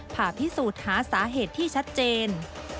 ผ่าพิสูจน์หาสาเหตุที่ชัดเจน